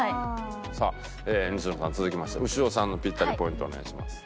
さあ西野さん続きまして潮さんのピッタリポイントをお願いします。